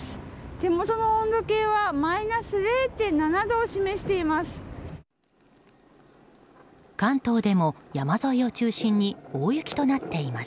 手元の温度計はマイナス０．７度を示しています。